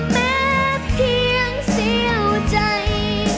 แม้เพียงเสี่ยวใจ